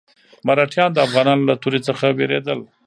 مرهټیان د افغانانو له تورې څخه وېرېدل.